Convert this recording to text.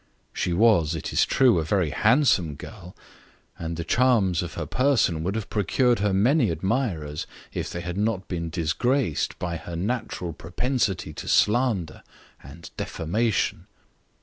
She was, it is true, a very handsome girl, and the charms of her person would have procured her many admirers if they had not been disgraced by her natural propensity to slander and defamation.